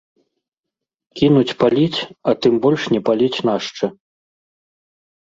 Кінуць паліць, а тым больш не паліць нашча.